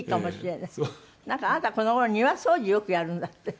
なんかあなたこの頃庭掃除よくやるんだって？